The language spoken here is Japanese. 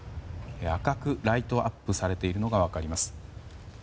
赤くライトアップされているのが分かります。